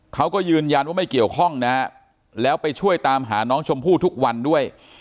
เขาก็ยืนยันว่าไม่เกี่ยวข้องนะฮะแล้วไปช่วยตามหาน้องชมพู่ทุกวันด้วย